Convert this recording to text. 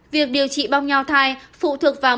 việc điều trị bong nho thai phụ thuộc vào mức